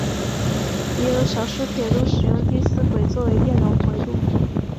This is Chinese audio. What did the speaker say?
也有少数铁路使用第四轨作为电流回路。